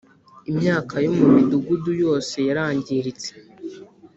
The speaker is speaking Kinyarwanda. imyaka yo mu midugudu yose yarangiritse